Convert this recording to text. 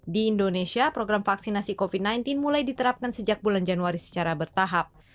di indonesia program vaksinasi covid sembilan belas mulai diterapkan sejak bulan januari secara bertahap